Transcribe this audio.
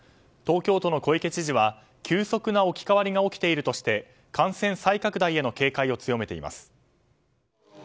東京都の小池知事は急速な置き換わりが起きているとして感染再拡大への警戒を強めています。